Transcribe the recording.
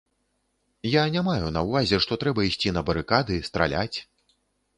Я не маю на ўвазе, што трэба ісці на барыкады, страляць.